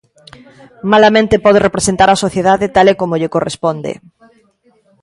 Malamente pode representar á sociedade tal e como lle corresponde.